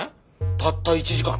たった１時間。